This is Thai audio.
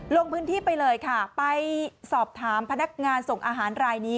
ลงพื้นที่ไปเลยค่ะไปสอบถามพนักงานส่งอาหารรายนี้